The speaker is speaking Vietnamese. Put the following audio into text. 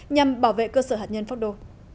nhằm bảo vệ cơ sở hạt nhân pháp đô